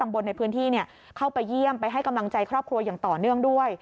บนในพื้นที่เข้าไปเยี่ยมไปให้กำลังใจครอบครัวอย่างต่อเนื่องด้วย